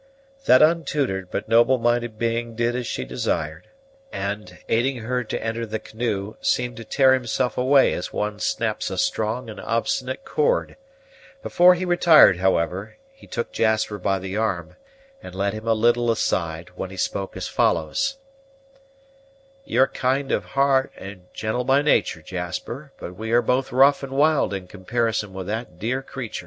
That untutored but noble minded being did as she desired; and, aiding her to enter the canoe, seemed to tear himself away as one snaps a strong and obstinate cord. Before he retired, however, he took Jasper by the arm and led him a little aside, when he spoke as follows: "You're kind of heart and gentle by natur', Jasper; but we are both rough and wild in comparison with that dear creatur'.